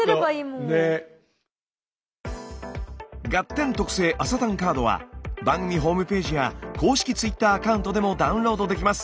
ガッテン特製「朝たんカード」は番組ホームページや公式Ｔｗｉｔｔｅｒアカウントでもダウンロードできます。